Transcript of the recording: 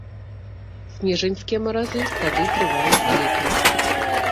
Снежаньскія маразы сады трываюць лепей.